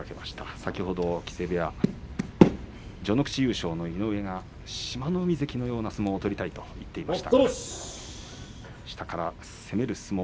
先ほど、序ノ口優勝の井上が部屋の志摩ノ海関のような相撲を取りたいと語っていました。